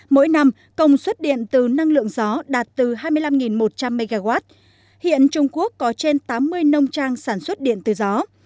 mỗi năm công suất điện từ năng lượng gió đạt từ hai mươi năm một trăm linh mw hiện trung quốc có trên tám mươi nông trang sản xuất điện từ gió